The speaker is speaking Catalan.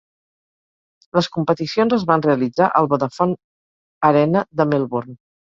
Les competicions es van realitzar al Vodafone Arena de Melbourne.